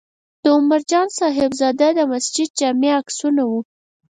د عمر جان صاحبزاده د مسجد جامع عکسونه و.